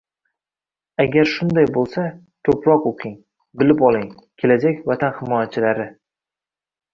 Agar shunday bo'lsa, ko'proq o'qing, bilib oling, bo'lajak Vatan himoyachilari